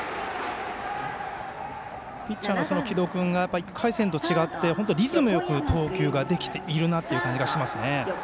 ピッチャーの城戸君が１回戦と違ってリズムよく投球ができているなという感じがしますね。